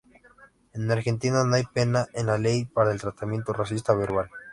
En Argentina no hay pena en la ley para el tratamiento racista verbal.